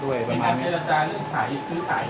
ได้ไหมในการทราบเรื่องสาหรับซื้อขาย